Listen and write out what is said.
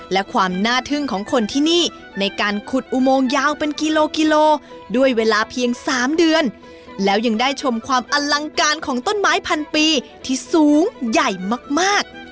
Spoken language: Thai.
และยังได้ชมความอลังการของต้นไม้พันปีที่สูงใหญ่มาก